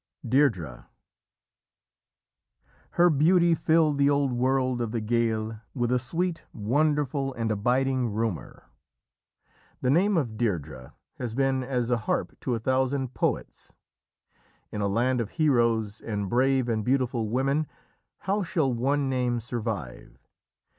DEIRDRÊ "Her beauty filled the old world of the Gael with a sweet, wonderful, and abiding rumour. The name of Deirdrê has been as a harp to a thousand poets. In a land of heroes and brave and beautiful women, how shall one name survive?